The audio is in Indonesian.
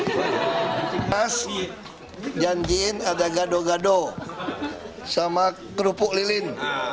pas janjiin ada gado gado sama kerupuk lilin